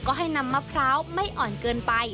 ก็ให้นำมะพร้าวไม่อ่อนเกินไป